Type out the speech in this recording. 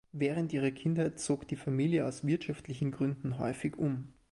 Während ihrer Kindheit zog die Familie aus wirtschaftlichen Gründen häufig um.